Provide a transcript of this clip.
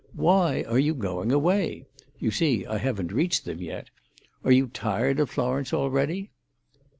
Why are you going away? (You see I haven't reached them yet!) Are you tired of Florence already?"